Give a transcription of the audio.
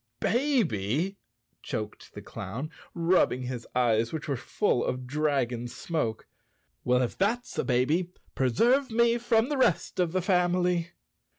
75 The Cowardly Lion of Oz _ "Baby," choked the clown, rubbing his eyes, which were full of dragon smoke. "Well, if that's the baby, preserve me from the rest of the family!"